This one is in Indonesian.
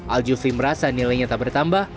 al jufri merasa nilainya tak bertambah